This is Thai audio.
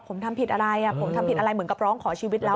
ผมทำผิดอะไรผมทำผิดอะไรเหมือนกับร้องขอชีวิตแล้ว